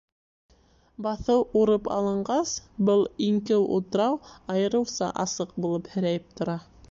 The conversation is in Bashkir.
Баҫыу урып алынғас, был иңкеү «утрау» айырыуса асыҡ булып һерәйеп тора.